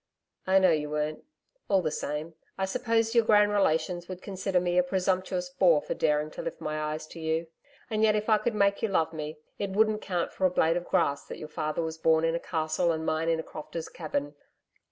'I know you weren't. All the same, I suppose your grand relations would consider me a presumptuous boor for daring to lift my eyes to you. And yet, if I could make you love me, it wouldn't count for a blade of grass that your father was born in a castle and mine in a crofter's cabin....